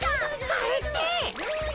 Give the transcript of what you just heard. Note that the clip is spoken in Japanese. あれって？